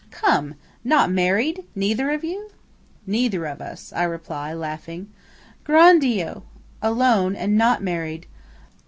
"Come! Not married? Neither of you?" "Neither of us," I reply, laughing. "Gran' Dio! Alone, and not married!